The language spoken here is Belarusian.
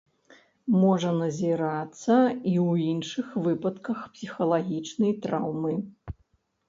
Можа назірацца і ў іншых выпадках псіхалагічнай траўмы.